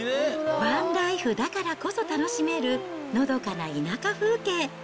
バンライフだからこそ楽しめる、のどかな田舎風景。